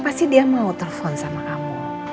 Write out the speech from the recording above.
pasti dia mau telepon sama kamu